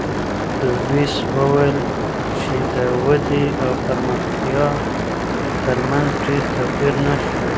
لویس وویل چی د ودي او پرمختیا ترمنځ ډېر توپیر نشته.